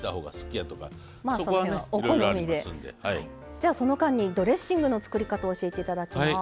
じゃあその間にドレッシングの作り方を教えていただきます。